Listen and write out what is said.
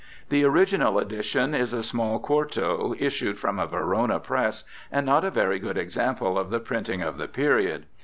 The original edition is a small quarto, issued from a Verona press, and not a very good example of the printing of the period.